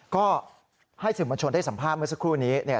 ก็ให้สิมบัญชนได้สัมภาพเมื่อสักครู่นี้